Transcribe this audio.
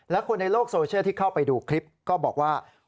และคนในโลกโซเชียลที่เข้าไปดูคลิปก็บอกว่า